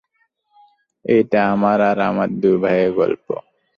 এটা আমার আর আমার দুই ভাইয়ের গল্প।